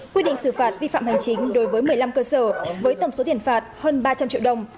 quy định xử phạt vi phạm hành chính đối với một mươi năm cơ sở với tổng số tiền phạt hơn ba trăm linh triệu đồng